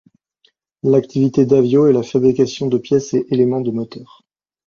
L'activité d'Avio est la fabrication de pièces et éléments de moteurs.